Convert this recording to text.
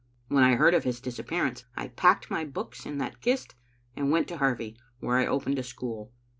When I heard of his disappearance I packed my books in that kist and went to Harvie, where I opened a school.